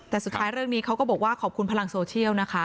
แต่สุดท้ายเรื่องนี้เขาก็บอกว่าขอบคุณพลังโซเชียลนะคะ